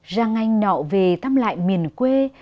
răng anh nọ về thăm lại miền quê